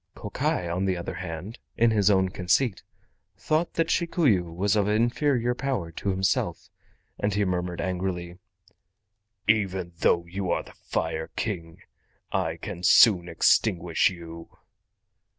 Kokai, on the other hand, in his own conceit, thought that Shikuyu was of inferior power to himself, and he murmured angrily: "Even though you are the Fire King, I can soon extinguish you."